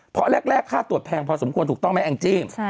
เพราะแรกค่าตรวจแพงพอสมควรถูกต้องไหมแองจี้